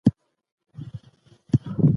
د ټولنې افراد باید د خپلو حقونو په اړه پوهه ولري.